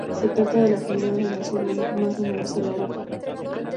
Se trata de la comunidad venezolana más numerosa en Europa.